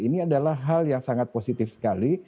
ini adalah hal yang sangat positif sekali